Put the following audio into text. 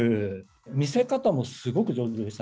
見せ方もすごく上手でしたね。